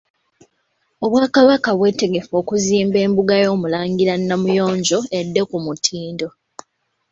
Obwakabaka bwetegefu okuzimba embuga y'Omulangira Namuyonjo edde ku mutindo.